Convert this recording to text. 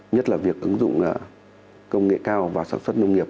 nhất là việc ứng dụng công nghệ cao và sản xuất nông nghiệp